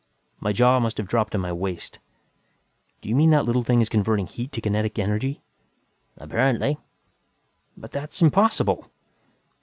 My jaw must have dropped to my waist. "Do you mean that that little thing is converting heat to kinetic energy?" "Apparently." "But that's impossible!"